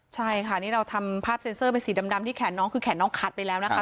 ใช่ค่ะนี่เราทำภาพเซ็นเซอร์เป็นสีดำที่แขนน้องคือแขนน้องขัดไปแล้วนะคะ